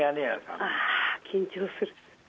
あー、緊張する。